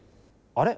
あれ？